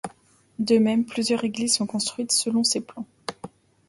De même, plusieurs églises sont construites selon ses plans.